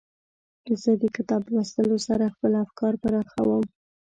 زه د کتاب لوستلو سره خپل افکار پراخوم.